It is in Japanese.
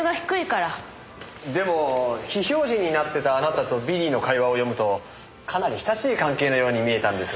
でも非表示になってたあなたとビリーの会話を読むとかなり親しい関係のように見えたんですが。